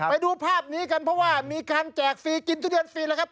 ไปดูภาพนี้กันเพราะว่ามีการแจกฟรีกินทุเรียนฟรีแล้วครับ